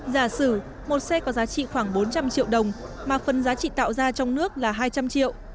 giả sử một xe có giá trị khoảng bốn trăm linh triệu đồng mà phần giá trị tạo ra trong nước là hai trăm linh triệu